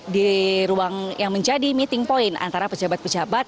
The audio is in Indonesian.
di ruang yang menjadi meeting point antara pejabat pejabat